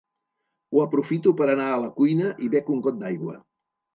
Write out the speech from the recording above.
Ho aprofito per anar a la cuina i bec un got d’aigua.